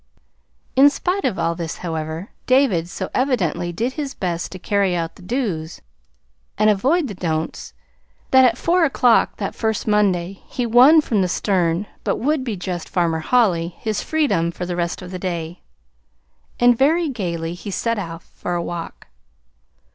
In spite of all this, however, David so evidently did his best to carry out the "dos" and avoid the "don'ts," that at four o'clock that first Monday he won from the stern but would be just Farmer Holly his freedom for the rest of the day; and very gayly he set off for a walk.